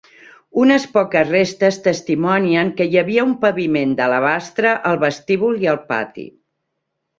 Unes poques restes testimonien que hi havia un paviment d'alabastre al vestíbul i el pati.